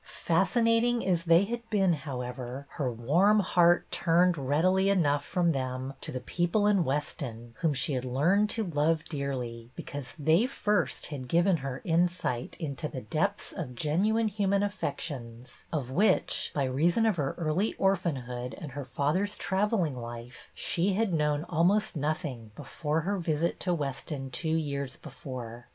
Fascinating as they had BETTY AND LOIS 259 been, however, her warm heart turned read ily enough from them to the people in Weston, whom she had learned to love dearly, because they first had given her in sight into the depths of genuine human affections, of which, by reason of her early orphanhood and her father's travelling life, she had known almost nothing before her visit to Weston two years before.